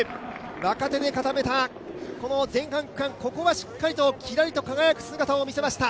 若手で固めた前半区間、ここはしっかりとキラリと輝く姿を見せました。